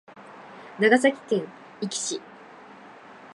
長崎県壱岐市